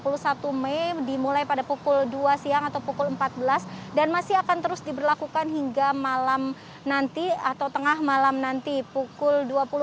berlaku sejak kemarin pada tanggal tiga puluh satu mei dimulai pada pukul dua siang atau pukul empat belas dan masih akan terus diberlakukan hingga malam nanti atau tengah malam nanti pukul dua puluh empat